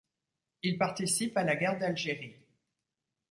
Il participe à la guerre d'Algérie.